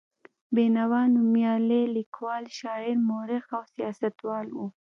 بېنوا نومیالی لیکوال، شاعر، مورخ او سیاستوال و.